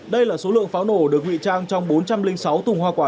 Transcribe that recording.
đây là số lượng pháo nổ được nguy trang trong bốn trăm linh sáu thùng hoa quả